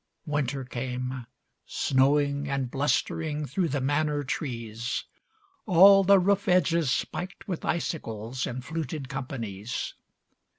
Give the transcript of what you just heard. Winter came Snowing and blustering through the Manor trees. All the roof edges spiked with icicles In fluted companies.